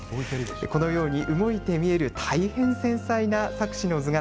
このように動いて見える大変繊細な錯視の図柄